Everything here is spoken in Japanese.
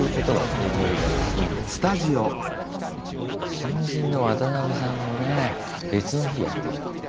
新人のワタナベさんのね別の日やってたっていう。